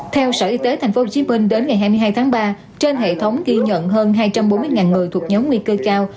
theo sở y tế tp hcm đến ngày hai mươi hai tháng ba trên hệ thống ghi nhận hơn hai trăm bốn mươi người thuộc nhóm nguy cơ cao